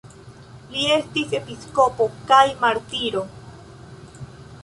Li estis episkopo kaj martiro.